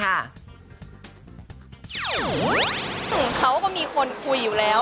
เขาก็มีคนคุยอยู่แล้ว